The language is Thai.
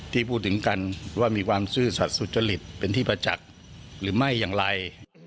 ที่พูดถึงกันว่ามีความซื่อสัตว์สุจริตเป็นที่ประจักษ์หรือไม่อย่างไร